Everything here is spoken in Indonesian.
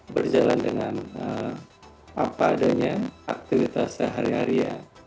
berjalan dengan apa adanya aktivitas sehari hari ya